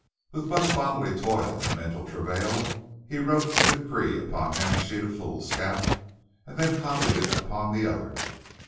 With much bodily toil and mental travail he wrote the decree upon half a sheet of foolscap, and then copied it upon the other.